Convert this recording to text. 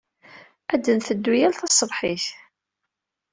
Ad netteddu yal taṣebḥit.